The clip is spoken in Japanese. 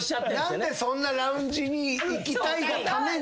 何でそんなラウンジに行きたいがために？